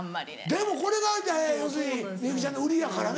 でもこれが要するに幸ちゃんの売りやからね。